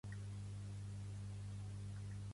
Pertany al moviment independentista l'Encarnació?